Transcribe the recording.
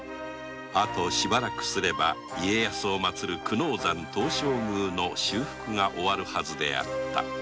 あとしばらくすれば家康を祭る九能山東照宮の修復が終わるハズであった。